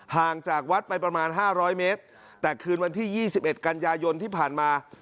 ห่างจากวัดไปประมาณห้าร้อยเมตรแต่คืนวันที่ยี่สิบเอ็ดกันยายนที่ผ่านมา